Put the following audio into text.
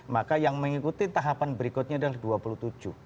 maka yang mengikuti tahapan berikutnya adalah dua puluh tujuh